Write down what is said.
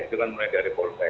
itu kan mulai dari polsek